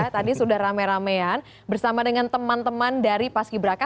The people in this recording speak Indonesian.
tadi sudah rame ramean bersama dengan teman teman dari paski braka